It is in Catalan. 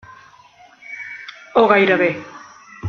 O gairebé.